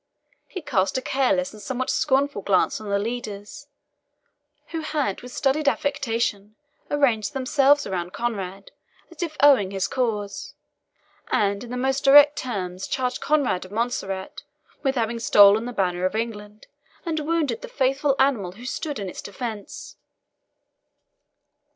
He cast a careless and somewhat scornful glance on the leaders, who had with studied affectation arranged themselves around Conrade as if owning his cause, and in the most direct terms charged Conrade of Montserrat with having stolen the Banner of England, and wounded the faithful animal who stood in its defence.